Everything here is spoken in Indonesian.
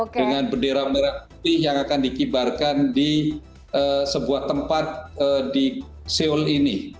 dengan bendera merah putih yang akan dikibarkan di sebuah tempat di seoul ini